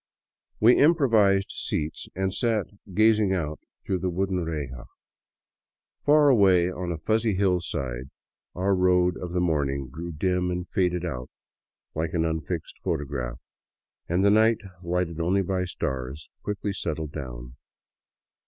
We improvised seats and sat gazing out through the wooden reja. Far away on a 63 VAGABONDING DOWN THE ANDES fuzzy hillside our road of the morning grew dim and faded out, like an unfixed photograph, and a night lighted only by stars quickly settled down.